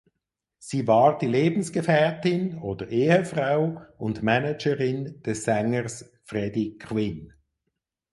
Sie war die Lebensgefährtin (oder Ehefrau) und Managerin des Sängers Freddy Quinn.